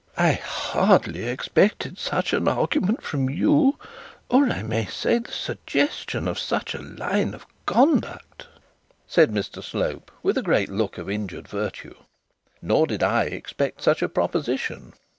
'I hardly expected such an argument from you, or I may say the suggestion of such a line of conduct,' said Mr Slope, with a great look of injured virtue. 'Nor did I expect such a proposition.'